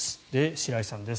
白井さんです。